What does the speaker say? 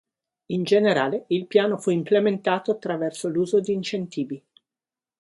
In generale, il piano fu implementato attraverso l'uso di incentivi.